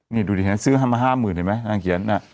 นี่ดูดินะซื้อมา๕๐๐๐๐เห็นไหมน่าเขียน